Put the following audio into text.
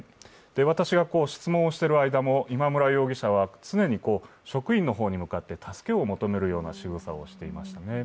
私が質問をしている間も今村容疑者は常に職員の方に向かって助けを求めるようなしぐさをしてましたね。